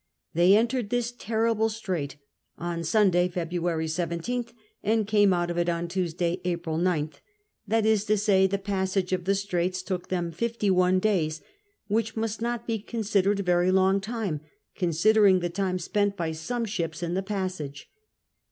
They entered this terrible strait on Sunday, February 17th, and came out of it on Tuesday, April 9th — that is to say, the passage of the Straits took them fifty one days, which must not be considered a very long time, considering the time spent by some ships in the passage.